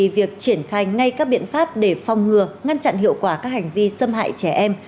việc triển khai ngay các biện pháp để phòng ngừa ngăn chặn hiệu quả các hành vi xâm hại trẻ em